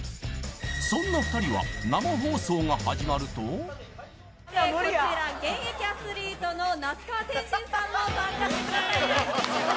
そんな２人はこちら現役アスリートの那須川天心さんも参加してくださいます